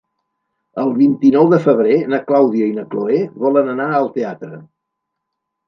El vint-i-nou de febrer na Clàudia i na Cloè volen anar al teatre.